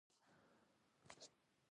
په مبارک ماموریت کې برخه واخلي.